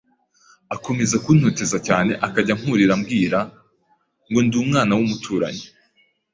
akomeza kuntoteza cyane akajya ankurira ambwira ko ndi umwana w’umuturanyi